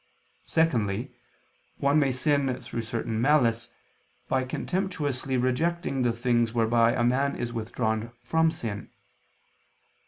Secondly, one may sin through certain malice, by contemptuously rejecting the things whereby a man is withdrawn from sin.